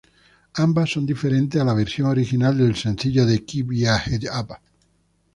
Ambas son diferentes a la versión original del sencillo de "Keep Ya Head Up".